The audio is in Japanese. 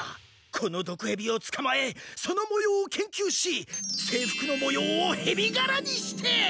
この毒ヘビをつかまえそのもようを研究し制服のもようをヘビがらにして！